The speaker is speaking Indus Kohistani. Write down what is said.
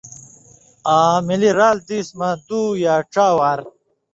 آں ملی رال دېس مہ دُو یا ڇا وار